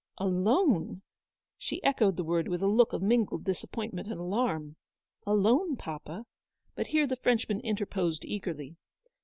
" Alone !" She echoed the word with a look of mingled disappointment and alarm. " Alone, papa ?" But here the Frenchman interposed eagerly.